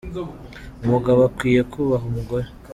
Umugabo akwiye kubaha umugore.